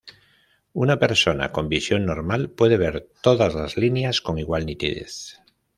Una persona con visión normal puede ver todas las líneas con igual nitidez.